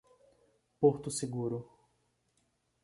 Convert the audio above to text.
Porto Seguro